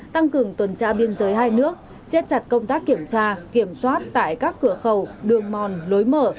tăng cường tuần tra biên giới hai nước siết chặt công tác kiểm tra kiểm soát tại các cửa khẩu đường mòn lối mở